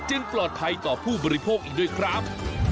ปลอดภัยต่อผู้บริโภคอีกด้วยครับ